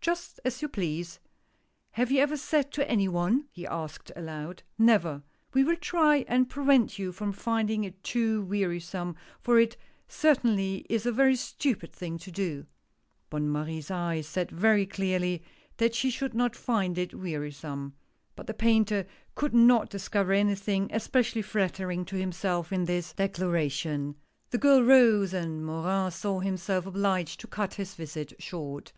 Just as you please. Have you ever sat to any one ?" he asked aloud. " Never." "We will try and prevent you from finding it too wearisome, for it certainly is a very stupid thing to do !" Bonne Marie's eyes said very clearly that she should not find it wearisome. But the painter could not discover anything especially flattering to himself in this 132 THE PORTRAIT. declaration. The girl rose, and Morin saw himself obliged to cut his visit short.